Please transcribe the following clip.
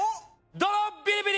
ドロービリビリ？